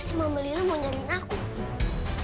sita berperang antar aja